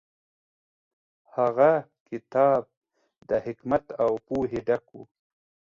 هغه کتاب د حکمت او پوهې ډک و.